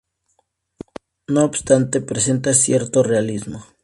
No obstante, presenta cierto realismo.